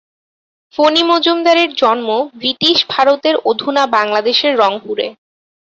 ফণী মজুমদারের জন্ম বৃটিশ ভারতের অধুনা বাংলাদেশের রংপুরে।